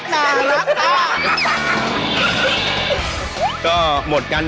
น่ารักน่ะ